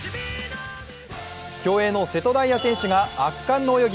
競泳の瀬戸大也選手が圧巻の泳ぎ。